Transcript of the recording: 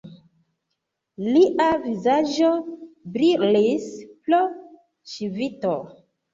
Lia vizaĝo brilis pro ŝvito.